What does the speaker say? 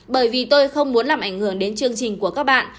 bởi vì tôi không muốn làm ảnh hưởng đến chương trình của các bạn